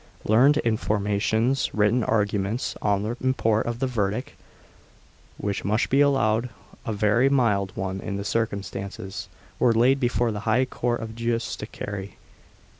Learned informations (written arguments) on the import of the verdict, which must be allowed a very mild one in the circumstances, were laid before the High Court of Justiciary.